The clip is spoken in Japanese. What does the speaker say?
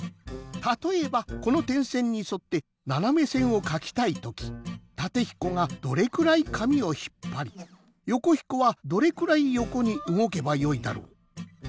たとえばこのてんせんにそってななめせんをかきたいときタテひこがどれくらい紙をひっぱりヨコひこはどれくらいよこにうごけばよいだろう？